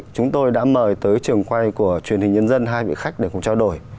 chúng tôi đã mời tới trường quay của truyền hình nhân dân hai vị khách để cùng trao đổi